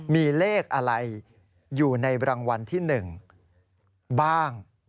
มีเลขอะไรอยู่ในรางวัลที่๑บ้าง